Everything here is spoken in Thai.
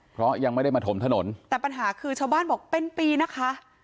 เพราะยังไม่ได้มาถมถนนแต่ปัญหาคือชาวบ้านบอกเป็นปีนะคะ